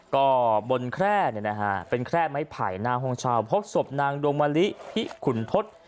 ก็บนแคร่เป็นแคร่ไม้ไผ่หน้าห้องเช่าพบศพนางดวงมะลิพิขุนทศ